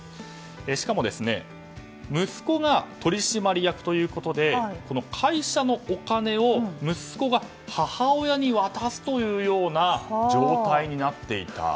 しかも息子が取締役ということで会社のお金を息子が母親に渡すというような状態になっていた。